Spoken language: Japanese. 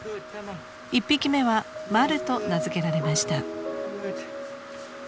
［１匹目は「まる」と名付けられました］